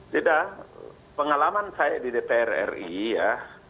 tidak pengalaman saya di dpr ri ya